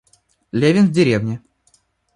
Левин в деревне.